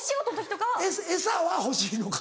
餌は欲しいのか。